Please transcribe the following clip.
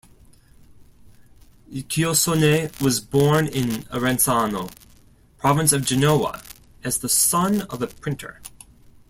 Chiossone was born in Arenzano, Province of Genoa, as the son of a printer.